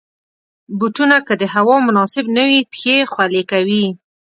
بوټونه که د هوا مناسب نه وي، پښې خولې کوي.